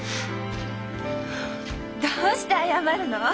どうして謝るの？